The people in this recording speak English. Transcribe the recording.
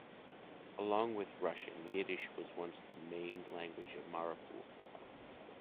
Along with Russian, Yiddish was once the main language of Mariupol.